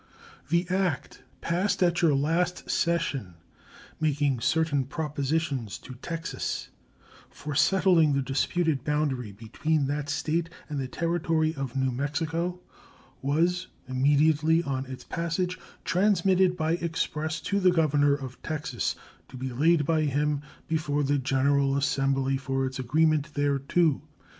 The act, passed at your last session, making certain propositions to Texas for settling the disputed boundary between that State and the Territory of New Mexico was, immediately on its passage, transmitted by express to the governor of Texas, to be laid by him before the general assembly for its agreement thereto.